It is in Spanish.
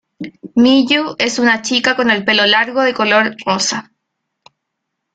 Miyu es una chica con el pelo largo de color rosa.